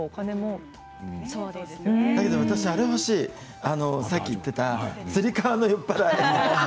私あれ欲しいさっき言っていたつり革の酔っ払い。